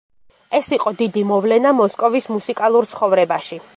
ეს იყო დიდი მოვლენა მოსკოვის მუსიკალურ ცხოვრებაში.